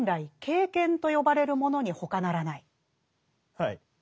はい。